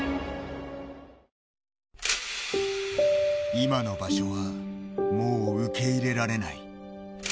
今の場所はもう受け入れられない。